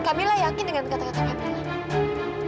kak mila yakin dengan kata kata kak mila